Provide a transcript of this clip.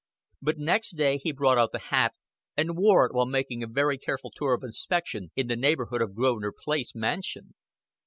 But next day he brought out the hat, and wore it while making a very careful tour of inspection in the neighborhood of the Grosvenor Place mansion.